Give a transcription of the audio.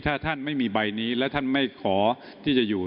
ถ้าท่านไม่มีใบนี้และท่านไม่ขอที่จะอยู่